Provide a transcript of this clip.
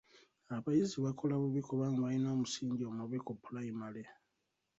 Abayizi bakola bubi kubanga bayina omusingi omubi ku pulayimale.